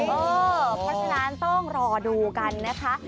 เพราะฉะนั้นต้องรอดูกันนะคะ